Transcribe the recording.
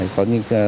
có những thói quen